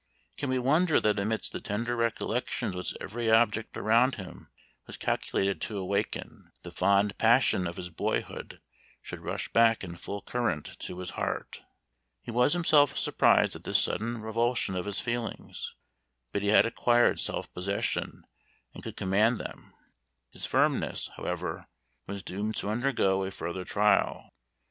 Can we wonder that amidst the tender recollections which every object around him was calculated to awaken, the fond passion of his boyhood should rush back in full current to his heart? He was himself surprised at this sudden revulsion of his feelings, but he had acquired self possession and could command them. His firmness, however, was doomed to undergo a further trial.